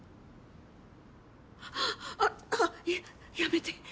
あっやめて！